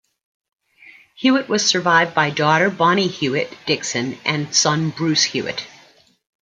Hewitt was survived by daughter Bonnie Hewitt Dixon and son Bruce Hewitt.